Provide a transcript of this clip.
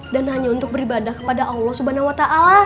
dan hanya untuk beribadah kepada allah swt